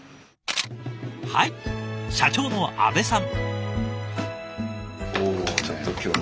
はい社長の阿部さん。